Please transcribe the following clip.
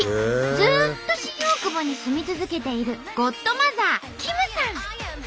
ずっと新大久保に住み続けているゴッドマザー